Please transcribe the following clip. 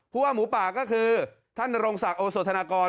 ว่าหมูป่าก็คือท่านนรงศักดิ์โอโสธนากร